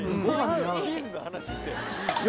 チーズの話してよ。